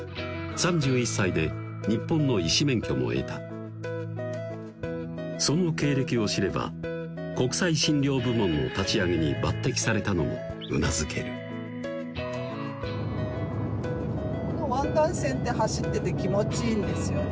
３１歳で日本の医師免許も得たその経歴を知れば国際診療部門の立ち上げに抜てきされたのもうなずける湾岸線って走ってて気持ちいいんですよね